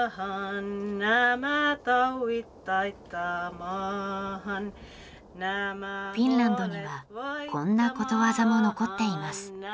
フィンランドにはこんなことわざも残っています。